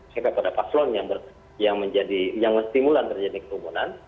sekalipun ada paslon yang menstimulan terjadi kerumunan